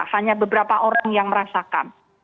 hanya beberapa orang yang merasakan